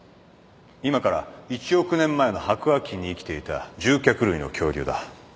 今から１億年前の白亜紀に生きていた獣脚類の恐竜だ。